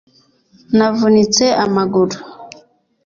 navunitse amaguru